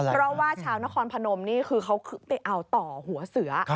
เพราะว่าชาวนครพนมนี่คือเขาไปเอาต่อหัวเสือ